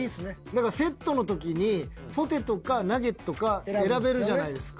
だからセットの時にポテトかナゲットか選べるじゃないですか。